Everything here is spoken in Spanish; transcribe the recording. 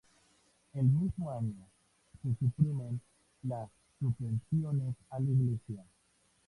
El mismo año se suprimen las subvenciones a la Iglesia.